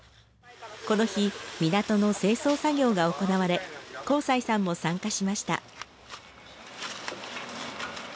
この日港の清掃作業が行われ幸才さんも参加しました。